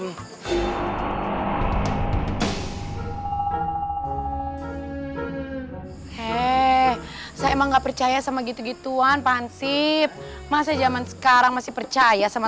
eh saya emang nggak percaya sama gitu gitu nah fansip masa jaman sekarang masih percaya sama